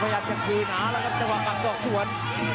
ประหยัดจะกรีย์หนาแล้วกับสองส่วน